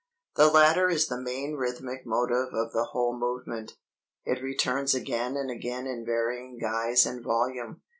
"The latter is the main rhythmic motive of the whole movement; it returns again and again in varying guise and volume.